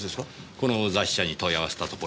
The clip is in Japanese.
この雑誌社に問い合わせたところ